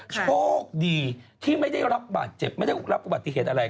โชคดีที่ไม่ได้รับบาดเจ็บไม่ได้รับอุบัติเหตุอะไร